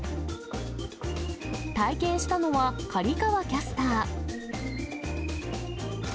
体験したのは刈川キャスター。